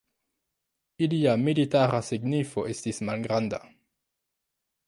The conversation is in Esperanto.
Ilia militara signifo estis malgranda.